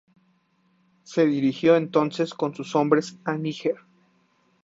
Se dirigió entonces con sus hombres a Níger.